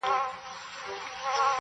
مطلب داشو چې وجود مادي نه دی